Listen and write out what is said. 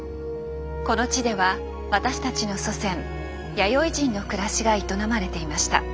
この地では私たちの祖先弥生人の暮らしが営まれていました。